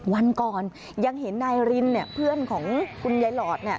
วันก่อนยังเห็นนายรินเนี่ยเพื่อนของคุณยายหลอดเนี่ย